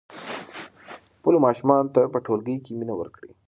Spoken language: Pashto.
خپلو ماشومانو ته په ټولګي کې مینه ورکړئ.